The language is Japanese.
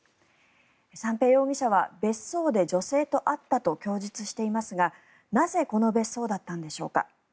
三瓶容疑者は別荘で女性と会ったと供述していますがなぜこの別荘だったんでしょうか。